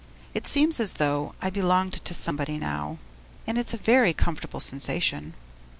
It seems as though I belonged to somebody now, and it's a very comfortable sensation.